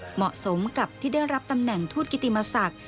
เหมาะสมกับที่ได้รับตำแหน่งทูตกิติมศักดิ์